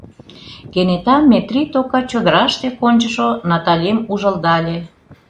Кенета Метрий тока чодыраште кончышо Наталем ужылдале.